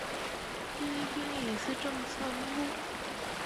《哔哩哔哩隐私政策》目录